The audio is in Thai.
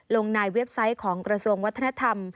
ลงในเว็บไซต์ของกระทรวงวัฒนธรรม